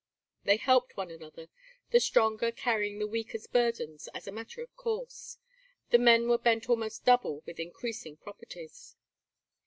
They helped one another, the stronger carrying the weaker's burdens as a matter of course. The men were bent almost double with increasing properties.